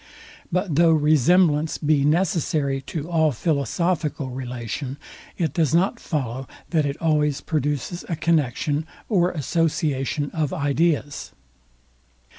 But though resemblance be necessary to all philosophical relation, it does not follow, that it always produces a connexion or association of ideas.